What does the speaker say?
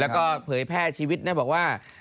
แล้วก็เผยแพร่ชีวิตนะบอกว่า